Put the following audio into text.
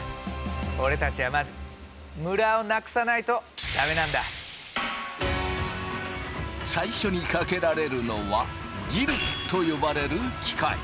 俺たちはまず最初にかけられるのはギルと呼ばれる機械。